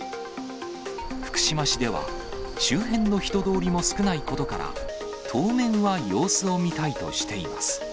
福島市では、周辺の人通りも少ないことから、当面は様子を見たいとしています。